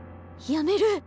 やめる。